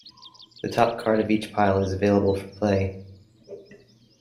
The top card of each pile is available for play.